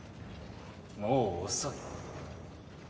もう遅い。